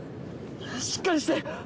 しっかりして！